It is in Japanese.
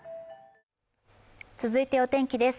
続いてお天気です。